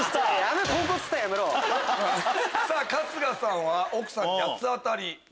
春日さんは奥さんに八つ当たり？